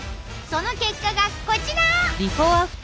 その結果がこちら！